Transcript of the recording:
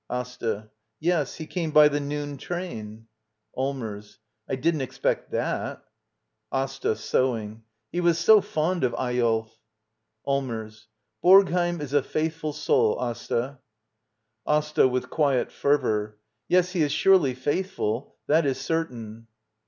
AsTA. Yes. He came by the noon train. Allmers. I didn't expect that. AsTA. [Sewing.] He was so fond of Eyolf. Allmers. Borgheim is a faithful soul, Asta. AsTA. [With quiet fervor.] Yes, he is surely faithful. That is certain.